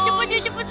ya udah cepet